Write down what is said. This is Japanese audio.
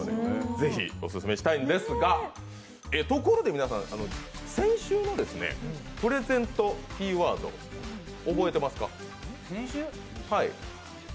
ぜひオススメしたいんですが、ところで先週のプレゼントキーワード覚えていますか？